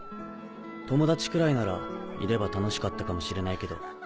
友達くらいならいれば楽しかったかもしれないけど。